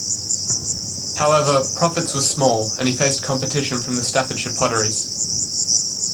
However, profits were small and he faced competition from the Staffordshire Potteries.